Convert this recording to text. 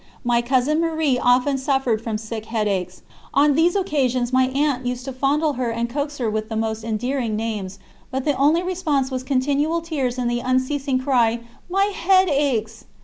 My cousin Marie often suffered from sick headaches. On these occasions my aunt used to fondle her and coax her with the most endearing names, but the only response was continual tears and the unceasing cry: "My head aches!"